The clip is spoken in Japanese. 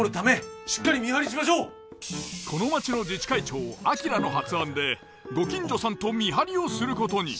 この町の自治会長明の発案でご近所さんと見張りをすることに。